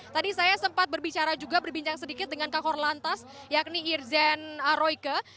tadi saya sempat berbicara juga berbincang sedikit dengan kakor lantas yakni irjen royke